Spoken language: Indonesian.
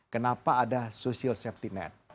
kenapa ada social safety net